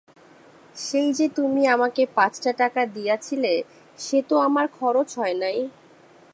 সেই যে তুমি আমাকে পাঁচটা টাকা দিয়াছিলে, সে তো আমার খরচ হয় নাই।